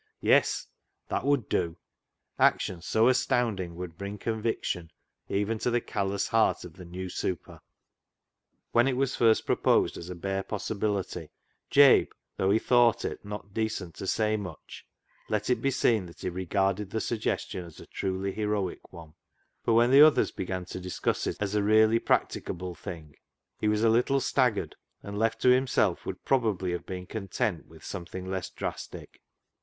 Yes ! That would do. Action so astound ing would bring conviction even to the callous heart of the new " super." When it was first proposed as a bare pos sibility, Jabe, though he thought it not decent to say much, let it be seen that he regarded the suggestion as a truly heroic one, but when the others began to discuss it as a really practicable thing he was a little staggered, and left to him self would probably have been content with something less drastic.